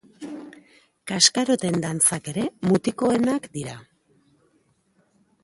Kaskaroten dantzak ere mutikoenak dira.